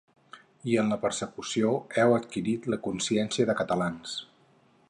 I en la persecució heu adquirit la consciència de catalans.